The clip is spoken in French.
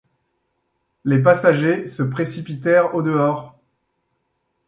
Les passagers se précipitèrent au dehors.